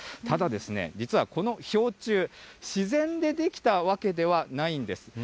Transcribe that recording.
ただ、実はこの氷柱、自然で出来たわけではないんです。